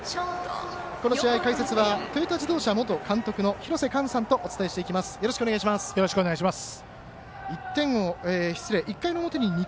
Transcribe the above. この試合、解説はトヨタ自動車元監督の廣瀬寛さんとお伝えしていきます。